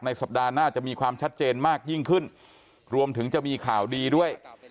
สัปดาห์หน้าจะมีความชัดเจนมากยิ่งขึ้นรวมถึงจะมีข่าวดีด้วย